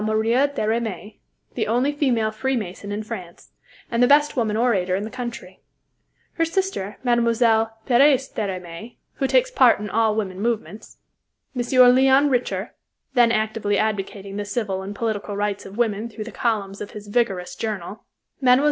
Maria Deraismes, the only female Free Mason in France, and the best woman orator in the country; her sister, Mme. Féresse Deraismes, who takes part in all woman movements; M. Léon Richer, then actively advocating the civil and political rights of women through the columns of his vigorous journal; Mme.